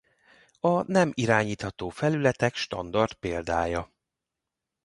A nem irányítható felületek standard példája.